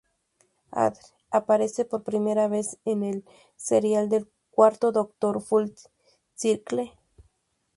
Adric aparece por primera vez en el serial del Cuarto Doctor "Full Circle".